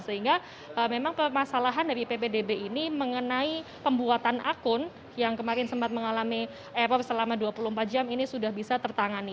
sehingga memang permasalahan dari ppdb ini mengenai pembuatan akun yang kemarin sempat mengalami error selama dua puluh empat jam ini sudah bisa tertangani